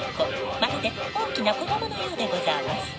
まるで大きな子供のようでござあます。